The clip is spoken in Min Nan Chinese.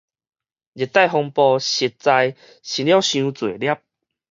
熱帶風暴實在生了傷濟粒